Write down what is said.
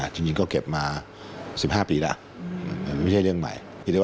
จริงก็เก็บมา๑๕ปีแล้วไม่ใช่เรื่องใหม่